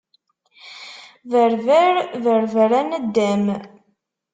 Berber, berber a naddam.